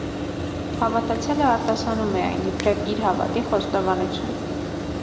Հավատացյալը արտասանում է այն՝ իբրև իր հավատի խոստովանություն։